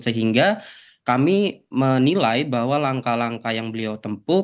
sehingga kami menilai bahwa langkah langkah yang beliau tempuh